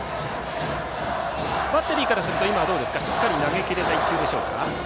バッテリーからすると、今はしっかり投げきれた１球でしょうか。